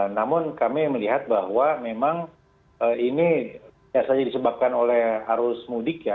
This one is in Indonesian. namun kami melihat bahwa memang ini biasanya disebabkan oleh arus mudik ya